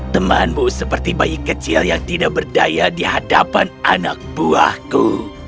temanmu seperti bayi kecil yang tidak berdaya di hadapan anak buahku